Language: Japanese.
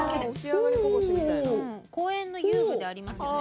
公園の遊具でありますよね。